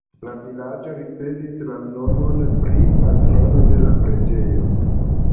La vilaĝo ricevis la nomon pri patrono de la preĝejo.